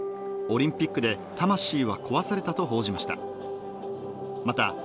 オリンピックで魂は壊されたと報じました。